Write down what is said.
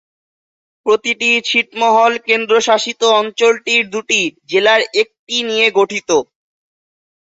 প্রতিটি ছিটমহল কেন্দ্রশাসিত অঞ্চলটির দুটি জেলার একটি নিয়ে গঠিত।